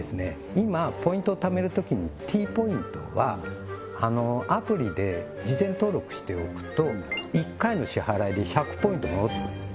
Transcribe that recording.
今ポイントを貯める時にＴポイントはアプリで事前登録しておくと１回の支払いで１００ポイント戻ってくるんです